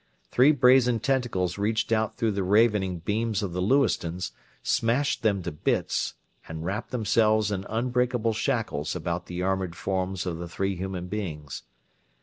Three brazen tentacles reached out through the ravening beams of the Lewistons, smashed them to bits, and wrapped themselves in unbreakable shackles about the armored forms of the three human beings.